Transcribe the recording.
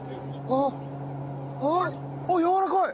あっやわらかい！